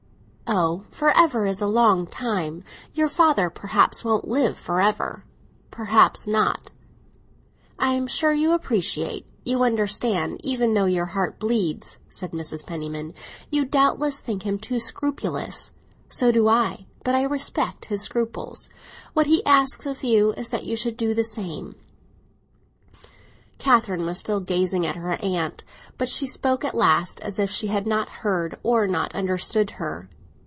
"Oh, for ever is a long time. Your father, perhaps, won't live for ever." "Perhaps not." "I am sure you appreciate—you understand—even though your heart bleeds," said Mrs. Penniman. "You doubtless think him too scrupulous. So do I, but I respect his scruples. What he asks of you is that you should do the same." Catherine was still gazing at her aunt, but she spoke at last, as if she had not heard or not understood her.